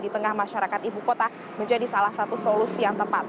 di tengah masyarakat ibu kota menjadi salah satu solusi yang tepat